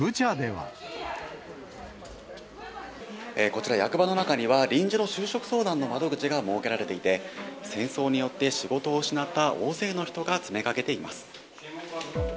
こちら、役場の中には、臨時の就職相談の窓口が設けられていて、戦争によって仕事を失った大勢の人が詰めかけています。